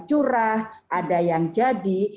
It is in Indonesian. curah ada yang jadi